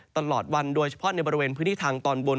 ตลอดวันโดยเฉพาะในบริเวณพื้นที่ทางตอนบน